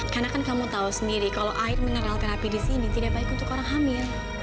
karena kan kamu tahu sendiri kalau air mineral terapi di sini tidak baik untuk orang hamil